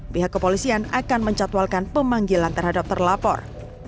pihak kepolisian akan mencatwalkan pemanggilan terhadap terlapor